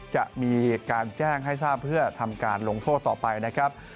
จะมีการแจ้งให้ทราบเพื่อทำการลงโทษต่อไปนะครับ